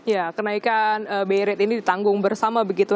ya kenaikan bi rate ini ditanggung bersama begitu